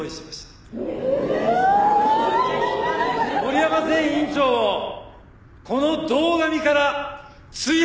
森山前院長をこの堂上から追放します！